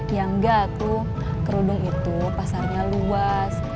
ya enggak aku kerudung itu pasarnya luas